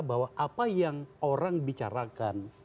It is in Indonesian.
bahwa apa yang orang bicarakan